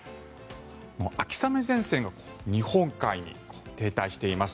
秋雨前線が日本海に停滞しています。